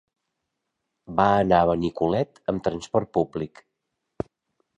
Va anar a Benicolet amb transport públic.